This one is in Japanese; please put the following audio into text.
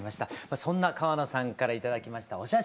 そんな川野さんから頂きましたお写真